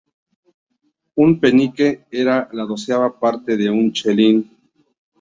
Un penique era la doceava parte de un chelín.